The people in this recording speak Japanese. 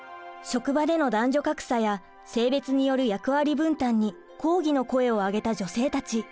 職場での男女格差や性別による役割分担に抗議の声を上げた女性たち。